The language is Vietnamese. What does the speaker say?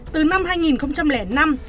từ năm hai nghìn năm